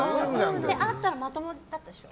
会ったらまともだったでしょ？